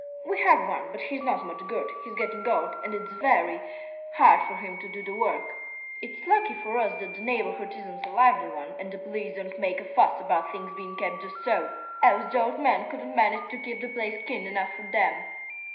"We have one, but he's not much good. He's getting old, and it's very hard for him to do the work. It's lucky for us that the neighbourhood isn't a lively one and the police don't make a fuss about things being kept just so, else the old man couldn't manage to keep the place clean enough for them."